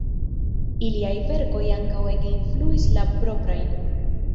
Iliaj verkoj ankaŭ ege influis la proprajn.